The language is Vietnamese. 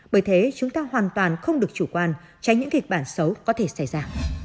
bởi thế chúng ta hoàn toàn không được chủ quan tránh những kịch bản xấu có thể xảy ra